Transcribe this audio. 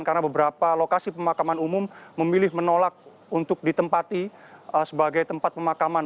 karena beberapa lokasi pemakaman umum memilih menolak untuk ditempati sebagai tempat pemakaman